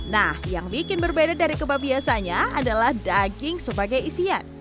nah yang bikin berbeda dari kebab biasanya adalah daging sebagai isian